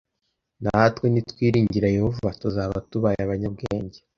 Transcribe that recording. Natwe nitwiringira Yehova tuzaba tubaye abanyabwenge